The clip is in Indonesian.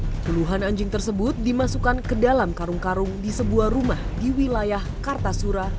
puluhan anjing tersebut dimasukkan ke dalam karung karung di sebuah rumah di wilayah kartasura